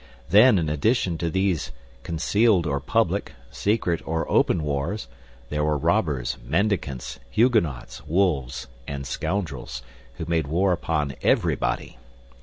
Then, in addition to these concealed or public, secret or open wars, there were robbers, mendicants, Huguenots, wolves, and scoundrels, who made war upon everybody.